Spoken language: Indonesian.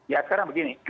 ya sekarang begini